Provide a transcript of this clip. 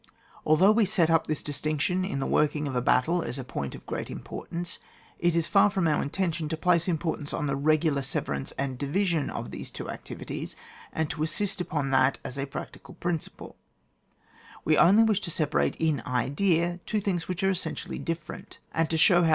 Although we set up this distinc tion in the working of a battle as a point of great importance, it is far from our intention to place importance on the regular severance and division of these two activities, and to insist upon that as a practical principle; we only wish to separate in idea two things which' are essentially different, and to show how 144 ON WAR.